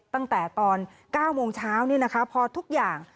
ตั้งแต่ตอนเก้าโมงเช้านี่นะคะพอทุกอย่าง